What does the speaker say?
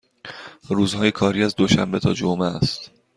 روزهای کاری از دوشنبه تا جمعه است.